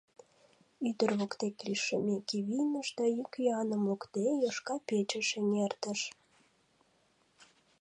Ӱдыр воктек лишеммеке вийныш да, йӱк-йӱаным лукде, Йошка печыш эҥертыш.